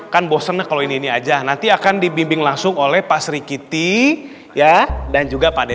kan bosen kalau ini aja nanti akan dibimbing langsung oleh pak sri kitty ya dan juga pada